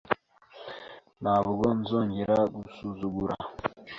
Ntabwo nzongera gusuzugura .